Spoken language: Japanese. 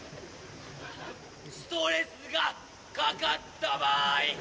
ストレスがかかった場合！